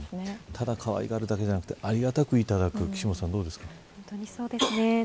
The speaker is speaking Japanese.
ただかわいがるだけではなくありがたくいただく本当にそうですね。